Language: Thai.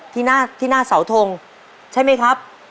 ที่หน้าที่หน้าเสาทงใช่ไหมครับ